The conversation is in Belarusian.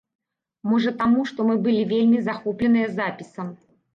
Можа таму, што мы былі вельмі захопленыя запісам.